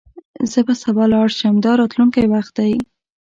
زه به سبا لاړ شم – دا راتلونکی وخت دی.